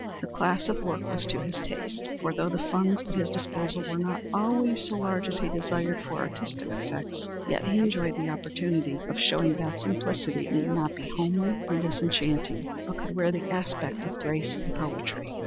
The class of work was to his taste, for, though the funds at his disposal were not always so large as he desired for artistic effects, yet he enjoyed the opportunity of showing that simplicity need not be homely and disenchanting, but could wear the aspect of grace and poetry.